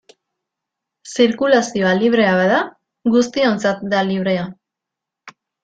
Zirkulazioa librea bada, guztiontzat da librea.